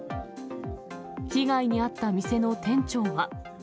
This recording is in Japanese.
被害に遭った店の店長は。